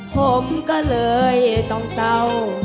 ผมก็เลยต้องเตา